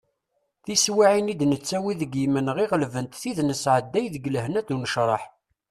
Tiswiɛin i d-nettawi deg yimenɣi ɣelbent tid i d-nesɛedday deg lehna d unecraḥ.